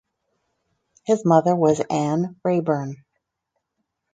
His mother was Anne Raeburn.